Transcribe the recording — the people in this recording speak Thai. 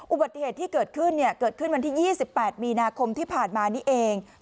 อุบัติเหตุที่เกิดขึ้นเกิดขึ้นวันที่๒๘มีนาคมที่ผ่านมานี้เอง